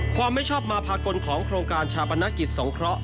ไม่ชอบมาภากลของโครงการชาปนกิจสงเคราะห